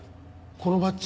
このバッジ